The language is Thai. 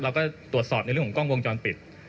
เราก็ตรวจสอบในเรื่องของกล้องวงจรปิด